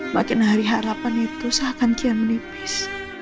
makin hari harapan itu seakan dia menipis